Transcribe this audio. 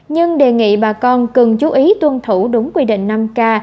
nhưng đề nghị bà con cần chú ý tuân thủ đúng quy định năm k